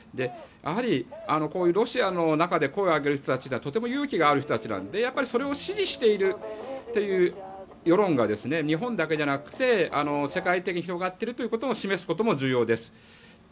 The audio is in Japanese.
やはりこういうロシアの中で声を上げる人たちはとても勇気ある人たちなのでやっぱりそれを支持しているという世論が日本だけでなくて世界的に広がっているということを示すことも重要です。